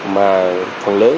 mà phần lấy